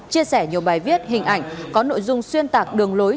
chia sẻ nhiều bài viết hình ảnh có nội dung xuyên tạc đường lối